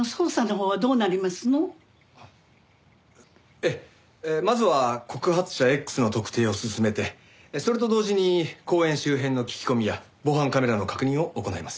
ええまずは告発者Ｘの特定を進めてそれと同時に公園周辺の聞き込みや防犯カメラの確認を行います。